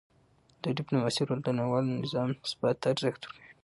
د ډیپلوماسی رول د نړیوال نظام ثبات ته ارزښت ورکوي.